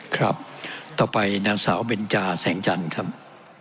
ครับต่อไปนางสาวเบนจาแสงจันทร์ครับ